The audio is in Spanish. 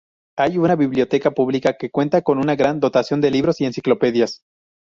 Hay una biblioteca pública que cuenta con una gran dotación de libros y enciclopedias.